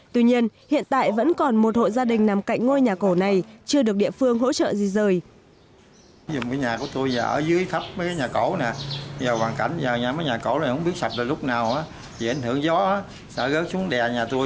tuy nhiên hiện tại vẫn còn một hộ gia đình nằm cạnh ngôi nhà cổ này chưa được địa phương hỗ trợ gì